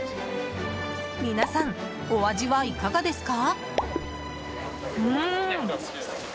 皆さん、お味はいかがですか？